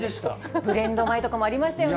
ブレンド米とかもありましたよね。